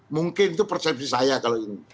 mungkin itu persepsi saya kalau ini